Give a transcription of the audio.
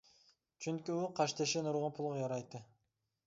چۈنكى ئۇ قاشتېشى نۇرغۇن پۇلغا يارايتتى.